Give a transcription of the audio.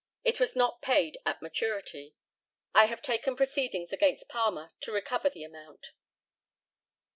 It was not paid at maturity. I have taken proceedings against Palmer to recover the amount.